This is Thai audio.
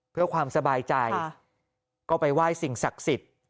เพื่อความสบายใจก็ไปไหว้สิ่งศักดิ์สิทธิ์